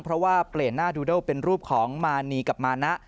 เพราะว่าเปลี่ยนหน้าดูโดเป็นรูปของมานีกับมานะ